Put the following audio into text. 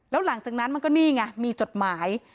แล้วหลังจากนั้นมันก็นี่ไงมีจดหมาย